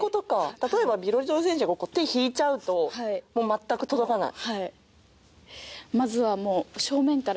例えばビロディッド選手が手をひいちゃうと全く届かない。